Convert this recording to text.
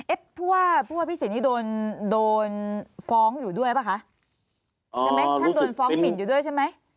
เอ๊ะพูดว่าพี่เศษนี่โดนฟ้องอยู่ด้วยป่ะคะ